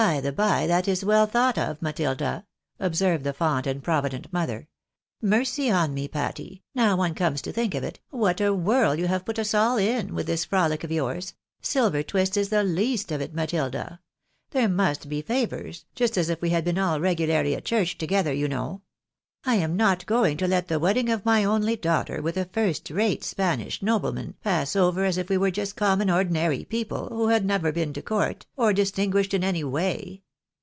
By the by, that is well thought of, Matilda," observed the fond and provident mother. "Mercy on me, Patty, now one comes to think of it, what a whirl you have put us all in, with this frolic of yours— silver twist is the least of it, Matilda ! There must be favours, just as if we had been all regularly at church together, you know. I am not going to let the wedding of my only daughter with a first rate Spanish nobleman pass over as if we were just common ordinary people, who had never been to court, or dis tinguished in any way."